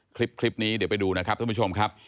คลิปนี้เดี๋ยวไปดูนะครับท่านผู้ชมครับ